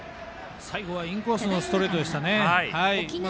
最後はインコースのストレートでしたね。